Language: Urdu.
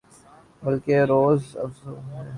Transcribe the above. بلکہ روزافزوں ہے